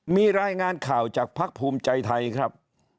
มีรายงานข่าวจากภักดิ์ภูมิใจไทยครับ